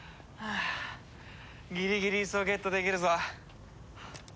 ギリギリイスをゲットできるぞ。